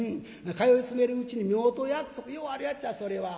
通い詰めるうちに夫婦約束ようあるやっちゃそれは。